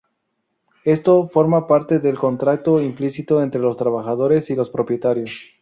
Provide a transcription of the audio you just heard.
Esto formaba parte del contrato implícito entre los trabajadores y los propietarios.